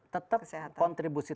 kesehatan kalau tetap kontribusi